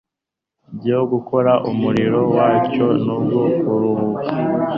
byo gukora umurimo wacyo n’uwo kuruhuka;